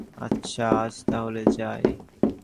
আচ্ছা, আজ তাহলে যাই।